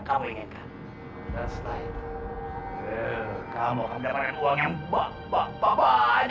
kamu akan mendapatkan uang yang banyak banget